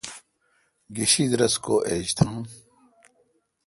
گیشیدس رس کو ایج تان۔